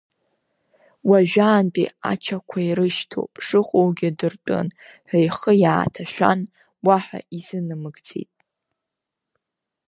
Уажәаантәи ачақәа ирышьҭоу шыҟоугьы дыртәын ҳәа ихы иааҭашәан, уаҳа изынамыгӡеит.